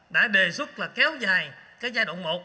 đã đề xuất là kéo dài cái giai đoạn một